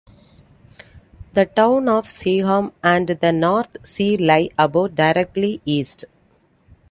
The town of Seaham and the North Sea lie about directly east.